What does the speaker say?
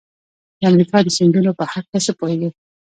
د امریکا د سیندونو په هلکه څه پوهیږئ؟